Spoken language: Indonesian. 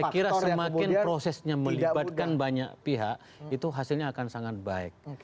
saya kira semakin prosesnya melibatkan banyak pihak itu hasilnya akan sangat baik